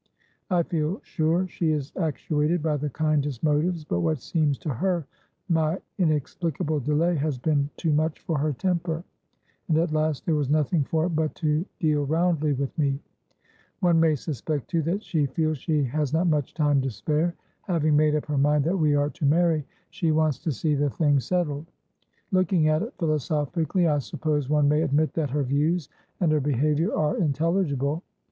I feel sure she is actuated by the kindest motives; but what seems to her my inexplicable delay has been too much for her temper, and at last there was nothing for it but to deal roundly with me. One may suspect, too, that she feels she has not much time to spare. Having made up her mind that we are to marry, she wants to see the thing settled. Looking at it philosophically, I suppose one may admit that her views and her behaviour are intelligible.